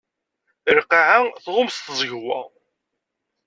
Lqaεa tɣumm s tẓegwa.